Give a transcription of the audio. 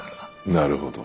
なるほど。